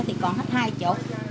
thì còn hết hai chỗ